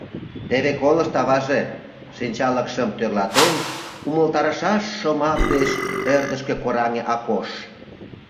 — Теве колышт, аваже, — шинчалыкшым тӧрлатен, умылтарышаш шомак деч ӧрдыжкӧ кораҥе Акош.